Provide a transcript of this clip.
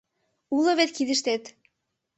Уло вет кидыштет?